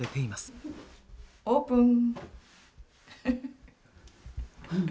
オープン！